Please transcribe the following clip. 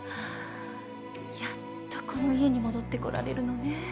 やっとこの家に戻ってこられるのね。